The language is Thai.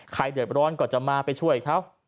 ใครเดินร้อนก็จะมาไปช่วยเขา